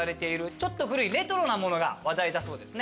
ちょっと古いレトロなものが話題だそうですね。